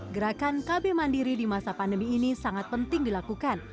gerakan kb mandiri di masa pandemi ini sangat penting dilakukan